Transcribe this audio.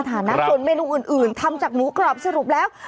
ฐานะส่วนเมนูอื่นทำจากหมูกรอบสรุปแล้ว